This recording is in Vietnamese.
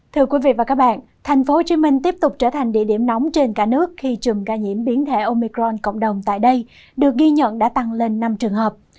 thưa quý vị và các bạn thành phố hồ chí minh tiếp tục trở thành địa điểm nóng trên cả nước khi trùm ca nhiễm biến thể omicron cộng đồng tại đây được ghi nhận đã tăng lên năm trường hợp